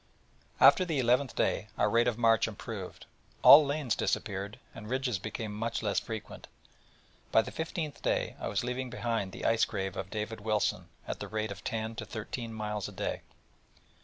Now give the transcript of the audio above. After the eleventh day our rate of march improved: all lanes disappeared, and ridges became much less frequent. By the fifteenth day I was leaving behind the ice grave of David Wilson at the rate of ten to thirteen miles a day.